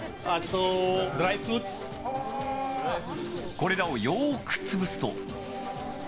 これらをよーく潰すと。